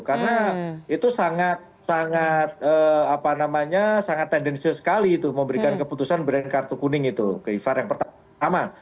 karena itu sangat sangat apa namanya sangat tendensial sekali itu memberikan keputusan berikan kartu kuning itu ke ivar yang pertama